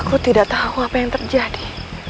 aku tidak tahu apa yang terjadi